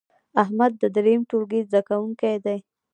احمد د دریم ټولګې زده کوونکی دی.